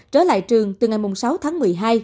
trở lại trường từ ngày sáu tháng một mươi hai